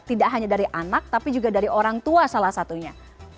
tidak hanya dari anak tapi juga dari orang tua salah satunya